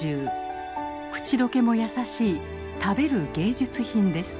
口溶けもやさしい食べる芸術品です。